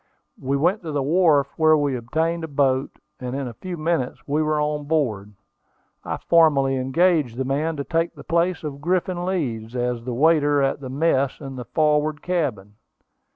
We went to the wharf, where we obtained a boat, and in a few minutes we were on board. I formally engaged the man to take the place of Griffin Leeds, as the waiter at the mess in the forward cabin.